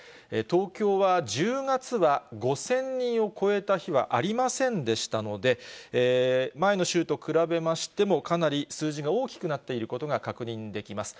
東京は１０月は５０００人を超えた日はありませんでしたので、前の週と比べましても、かなり数字が大きくなっていることが確認できます。